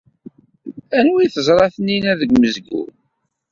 Anwa ay teẓra Taninna deg umezgun?